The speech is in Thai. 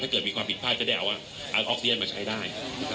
เกิดมีความผิดพลาดจะได้เอาอันออกเรียนมาใช้ได้